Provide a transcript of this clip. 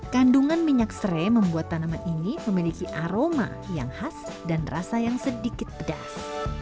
kandungan minyak serai membuat tanaman ini memiliki aroma yang khas dan rasa yang sedikit pedas